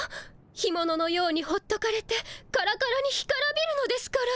干もののようにほっとかれてカラカラに干からびるのですから。